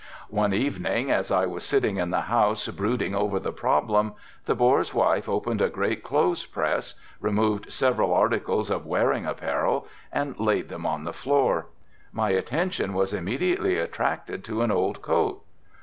One evening as I was sitting in the house brooding over the problem the Boer's wife opened a great clothes' press, removed several articles of wearing apparel and laid them on the floor. My attention was immediately attracted to an old coat.